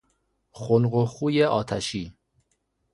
خلق و خوی آتشی